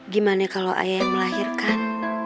gimana kalau ayah yang melahirkan